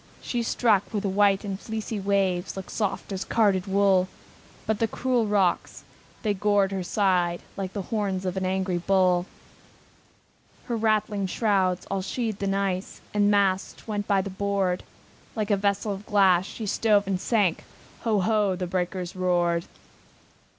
She struck where the white and fleecy waves Looked soft as carded wool, But the cruel rocks, they gored her side Like the horns of an angry bull. Her rattling shrouds, all sheathed in ice, With the masts went by the board; Like a vessel of glass, she stove and sank, Ho! ho! the breakers roared!